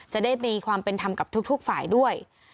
จะได้มีความเป็นธรรมกับทุกฝ่ายด้วย